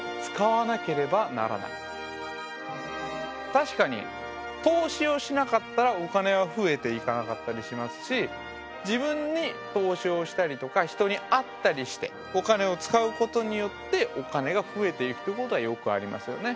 確かに投資をしなかったらお金は殖えていかなかったりしますし自分に投資をしたりとか人に会ったりしてお金を使うことによってお金が殖えていくということはよくありますよね。